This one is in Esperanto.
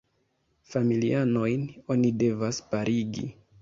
Familianojn oni devas parigi.